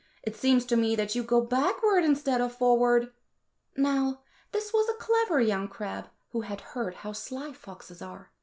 It seems to me that you go backward instead of forward/' Now, this was a clever young crab who had heard how sly foxes are.